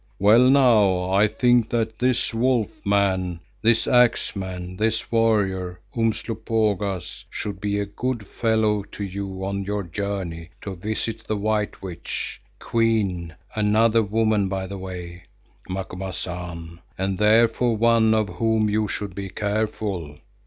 Well, now, I think that this wolf man, this axe man, this warrior, Umslopogaas should be a good fellow to you on your journey to visit the white witch, Queen—another woman by the way, Macumazahn, and therefore one of whom you should be careful.